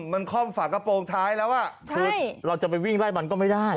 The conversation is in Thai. มันค่อมฝากระโปรงท้ายแล้วคือเราจะไปวิ่งไล่มันก็ไม่ได้